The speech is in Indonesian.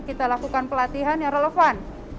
kita lakukan pelatihan yang relevan